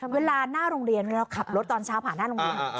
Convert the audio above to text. เวลาหน้าโรงเรียนเวลาขับรถตอนเช้าผ่านหน้าโรงเรียน